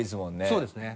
そうですね。